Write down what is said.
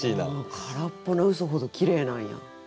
「からっぽな嘘ほどきれい」なんや。